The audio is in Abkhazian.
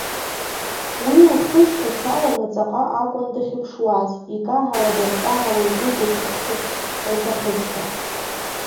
Уи лхы шьҭацаланы ҵаҟа акәын дахьыԥшуаз, икаҳауа, данкаҳауа игәы дықәыԥшырц лҭахызшәа.